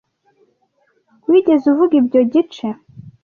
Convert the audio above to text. wigeze uvuga ibyo gice.